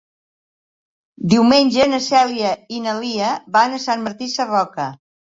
Diumenge na Cèlia i na Lia van a Sant Martí Sarroca.